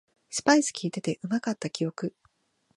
スパイスきいててうまかった記憶